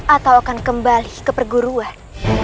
atau akan kembali ke perguruan